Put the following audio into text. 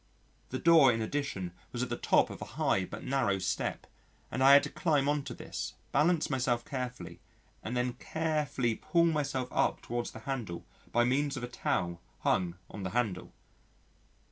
This door in addition was at the top of a high but narrow step, and I had to climb on to this, balance myself carefully, and then carefully pull myself up towards the handle by means of a towel hung on the handle.